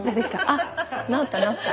あっ直った直った。